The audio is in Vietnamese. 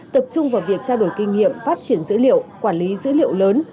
tập trung vào việc trao đổi kinh nghiệm phát triển dữ liệu quản lý dữ liệu lớn